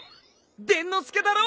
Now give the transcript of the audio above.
伝の助だろ？